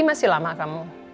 masih lama kamu